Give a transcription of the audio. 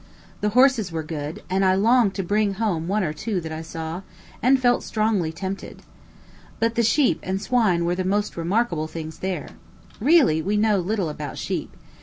The horses were good; and I longed to bring home one or two that I saw, and felt strongly tempted. But the sheep and swine were the most remarkable things there. Really, we know little about sheep.